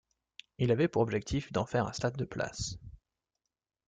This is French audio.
Il avait pour objectif d'en faire un stade de places.